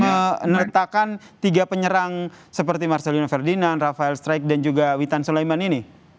menetapkan tiga penyerang seperti marcelino ferdinand rafael strike dan juga witan sulaiman ini